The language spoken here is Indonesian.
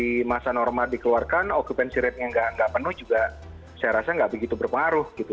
di masa normal dikeluarkan okupansi ratenya nggak penuh juga saya rasa nggak begitu berpengaruh gitu